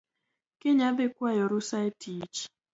Kiny adhii kwayo rusa e tich